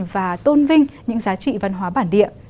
và tôn vinh những giá trị văn hóa bản địa